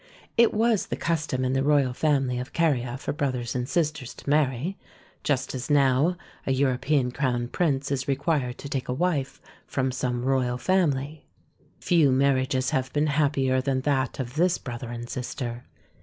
It was the custom in the royal family of Caria for brothers and sisters to marry, just as now a European crown prince is required to take a wife from some royal family. Few marriages have been happier than that of this brother and sister.